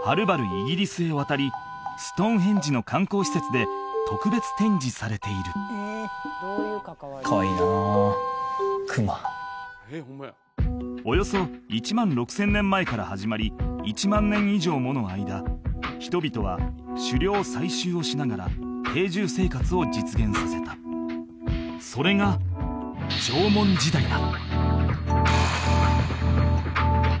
イギリスへ渡りストーンヘンジの観光施設で特別展示されているおよそ１万６０００年前から始まり１万年以上もの間人々は狩猟採集をしながら定住生活を実現させたそれが縄文時代だ